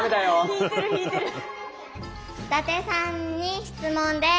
伊達さんに質問です。